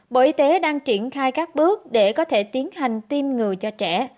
bộ y tế đang triển khai các bước để có thể tiến hành tiêm ngừa cho trẻ